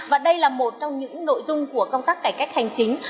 và đây là một trong những nội dung của công tác cải cách hành chính